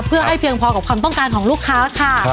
เพื่อให้เพียงพอกับความต้องการของลูกค้าค่ะ